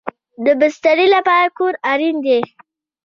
د بسترې لپاره کور اړین دی